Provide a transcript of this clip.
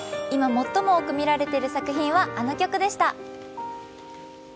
今最も多く見られている作品は、あの曲でした。